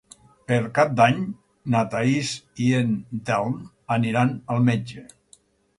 Per Cap d'Any na Thaís i en Telm aniran al metge.